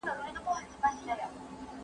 انګلیس ته د ناکامۍ خبر ورسید.